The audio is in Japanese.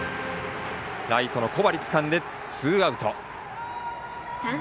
ライトの小針つかんでツーアウト。